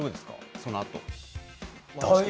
そのあと。